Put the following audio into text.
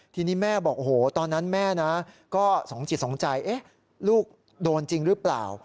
ทีนี้แม่บอกโอ้โหตอนนั้นแม่นะก็สองจิตสองใจลูกโดนจริงหรือเปล่า